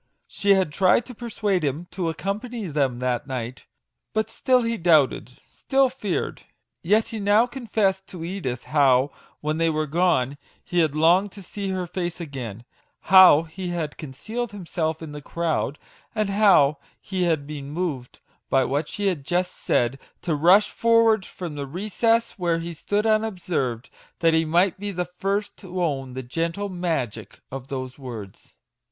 She had tried to per suade him to accompany them that night, but still he doubted still feared. Yet he now confessed to Edith how, when they were gone, he had longed to see her face again, how he had concealed himself in the crowd, and how he had been moved, by what she had just said, to rush forward from the recess where he stood unobserved, that he might be the first to own the gentle Magic of those words